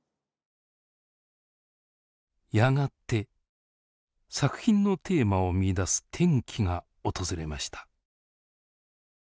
やがて作品のテーマを見いだす転機が訪れました。